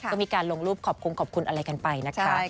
ก็มีการลงรูปขอบคุณขอบคุณอะไรกันไปนะคะ